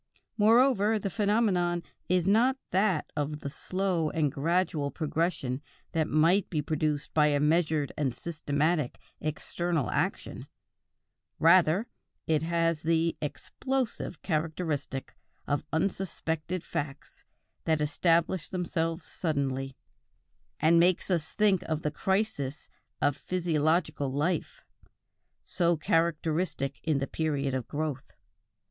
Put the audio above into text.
Moreover, the phenomenon is not that of the slow and gradual progression that might be produced by a measured and systematic external action; rather it has the "explosive" character of unsuspected facts that establish themselves suddenly, and make us think of the crises of physiological life, so characteristic in the period of growth.